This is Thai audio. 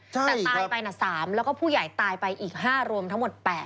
แต่ตายไปนะ๓แล้วก็ผู้ใหญ่ตายไปอีก๕รวมทั้งหมด๘